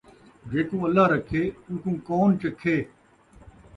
جیکوں اللہ رکھے ، اوکوں کون چکھے